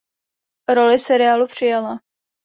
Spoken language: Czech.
Roli v seriálu přijala.